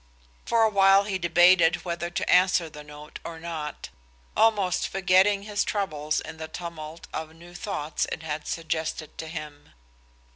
For a while he debated whether to answer the note or not, almost forgetting his troubles in the tumult of new thoughts it had suggested to him.